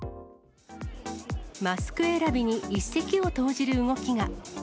マスク選びに一石を投じる動きが。